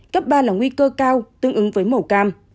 cấp ba là nguy cơ cao tương ứng với màu cam